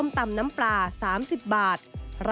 เป็นอย่างไรนั้นติดตามจากรายงานของคุณอัญชาฬีฟรีมั่วครับ